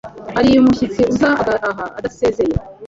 ari umushyitsi uza agataha adasezeye,